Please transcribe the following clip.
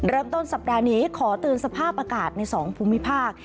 เริ่มต้นสัปดาห์นี้ขอเตือนสภาพอากาศใน๒ภูมิภาค